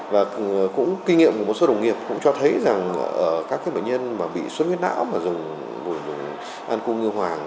và cũng kinh nghiệm của một số đồng nghiệp cũng cho thấy rằng các bệnh nhân bị xuất huyết não mà dùng an cung ngư hoàng